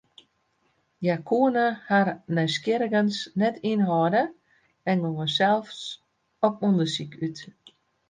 Hja koene harren nijsgjirrigens net ynhâlde en gongen sels op ûndersyk út.